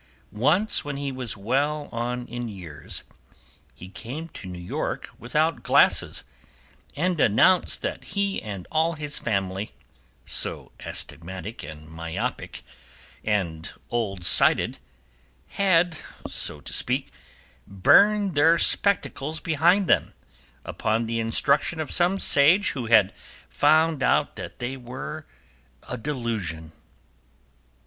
Once, when he was well on in years, he came to New York without glasses, and announced that he and all his family, so astigmatic and myopic and old sighted, had, so to speak, burned their spectacles behind them upon the instruction of some sage who had found out that they were a delusion.